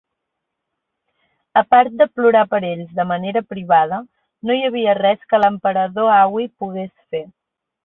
A part de plorar per ells de manera privada, no hi havia res que l'Emperador Huai pogués fer.